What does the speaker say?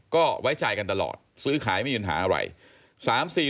ก็ไว้ใจกันตลอดซื้อขายไม่มีปัญหาอะไร